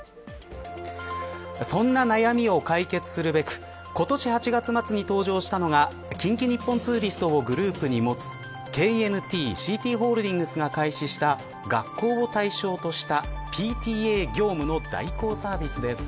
そんな悩みを解決するべく今年８月末に登場したのが近畿日本ツーリストをグループに持つＫＮＴ−ＣＴホールディングスが開始した学校を対象としたＰＴＡ業務の代行サービスです。